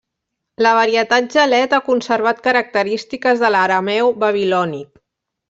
La varietat Gelet ha conservat característiques de l'Arameu Babilònic.